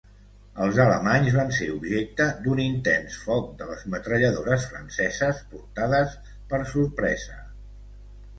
Els alemanys van ser objecte d'un intens foc de les metralladores franceses portades per sorpresa.